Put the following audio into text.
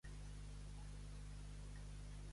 Quantes persones no han estat estudiades?